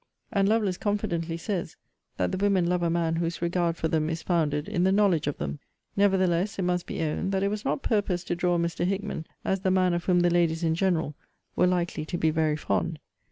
And Lovelace confidently says, That the women love a man whose regard for them is founded in the knowledge of them.* * See Vol. V. Letter XVIII. Nevertheless, it must be owned, that it was not purposed to draw Mr. Hickman, as the man of whom the ladies in general were likely to be very fond.